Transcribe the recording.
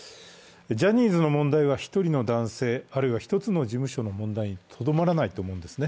ジャニーズの問題は１人の男性、あるいは１つの事務所の問題にとどまらないと思うんです。